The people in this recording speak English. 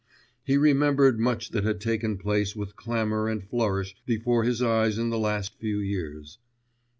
He remembered much that had taken place with clamour and flourish before his eyes in the last few years